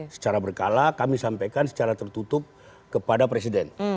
secara berkala kami sampaikan secara tertutup kepada presiden